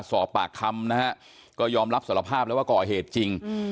สอบปากคำนะฮะก็ยอมรับสารภาพแล้วว่าก่อเหตุจริง